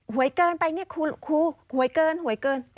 วยเกินไปเนี่ยครูหวยเกินหวยเกิน